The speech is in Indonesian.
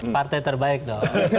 partai terbaik dong